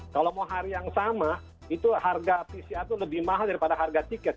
kalau mau hari yang sama itu harga pcr itu lebih mahal daripada harga tiket